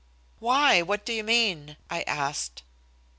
"Why, what do you mean?" I asked.